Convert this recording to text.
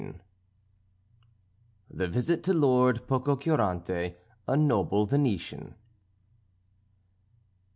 XXV THE VISIT TO LORD POCOCURANTE, A NOBLE VENETIAN.